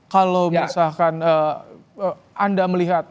kalau misalkan anda melihat